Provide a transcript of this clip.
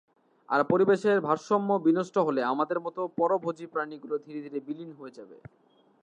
আর পরিবেশের ভারসাম্য বিনষ্ট হলে আমাদের মতো পরভোজী প্রাণীগুলো ধীরে ধীরে বিলীন হয়ে যাবে।